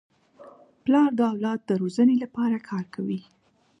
پلار د اولاد د روزني لپاره کار کوي.